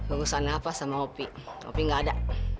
urusan apa sama opi opi nggak ada